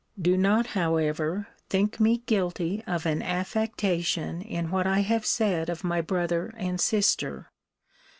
Do not however think me guilty of an affectation in what I have said of my brother and sister.